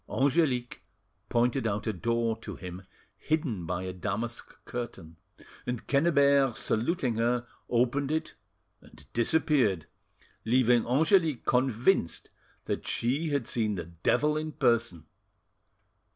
Angelique pointed out a door to him hidden by a damask curtain, and Quennebert saluting her, opened it and disappeared, leaving Angelique convinced that she had seen the devil in person.